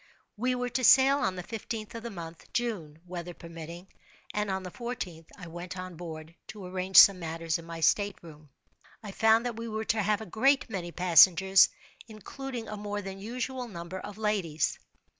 We were to sail on the fifteenth of the month (June), weather permitting; and on the fourteenth, I went on board to arrange some matters in my state room. I found that we were to have a great many passengers, including a more than usual number of ladies.